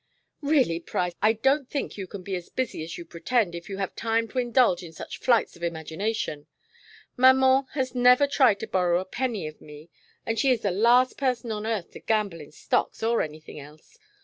"Really, Price, I don't think you can be as busy as you pretend if you have time to indulge in such flights of imagination. Maman has never tried to borrow a penny of me, and she is the last person on earth to gamble in stocks or any thing else.